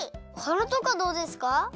おはなとかどうですか？